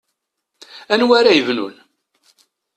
Anwa ara yebnun?